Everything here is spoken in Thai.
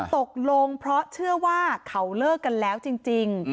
ตกลงเพราะเชื่อว่าเขาเลิกกันแล้วจริง